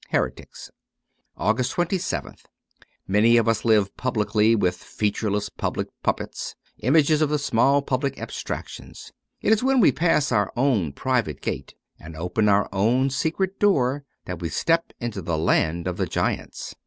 ^Heretics.' 264 AUGUST 27th MANY of us live publicly with featureless public puppets, images of the small public abstractions. It is when we pass our own private gate, and open our own secret door, that we step into the land of the giants.